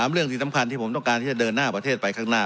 เรื่องที่สำคัญที่ผมต้องการที่จะเดินหน้าประเทศไปข้างหน้า